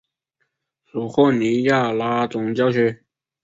属霍尼亚拉总教区。